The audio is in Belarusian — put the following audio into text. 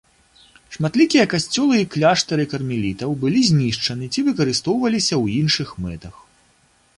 Шматлікія касцёлы і кляштары кармелітаў былі знішчаны ці выкарыстоўваліся ў іншых мэтах.